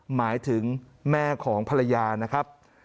หมายถึงแม่ของภรรยานะครับ